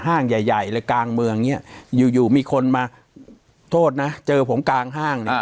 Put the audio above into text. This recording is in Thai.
ใหญ่ใหญ่เลยกลางเมืองเนี่ยอยู่มีคนมาโทษนะเจอผมกลางห้างเนี่ย